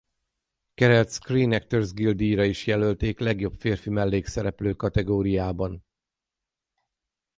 Carellt Screen Actors Guild-díjra is jelölték legjobb férfi mellékszereplő kategóriában.